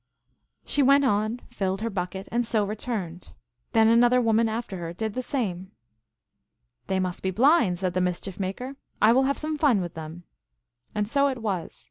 She 196 THE ALGONQUIN LEGENDS. went on, filled her bucket, and so returned. Then another woman after her did the same. " They must be blind," said the Mischief Maker. " I will have some fun with them." And so it was.